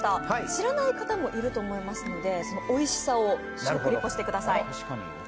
知らない方もいると思いますので、おいしさを食リポしてください。